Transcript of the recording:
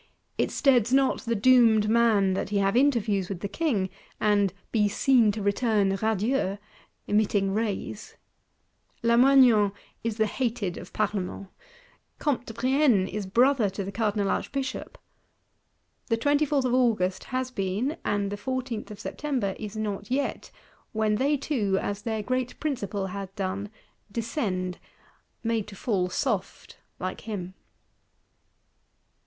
It steads not the doomed man that he have interviews with the King; and be "seen to return radieux," emitting rays. Lamoignon is the hated of Parlements: Comte de Brienne is Brother to the Cardinal Archbishop. The 24th of August has been; and the 14th September is not yet, when they two, as their great Principal had done, descend,—made to fall soft, like him.